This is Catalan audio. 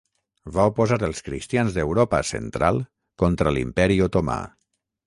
Va oposar els cristians d'Europa central contra l'Imperi otomà.